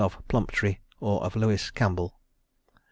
of Plumptre or of Lewis Campbell).